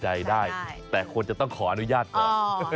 ใจได้แต่ควรจะต้องขออนุญาตก่อน